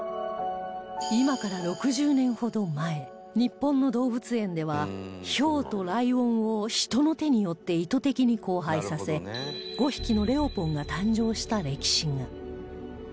今から６０年ほど前日本の動物園ではヒョウとライオンを人の手によって意図的に交配させ５匹のレオポンが誕生した歴史が